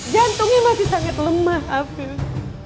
jantungnya masih sangat lemah afil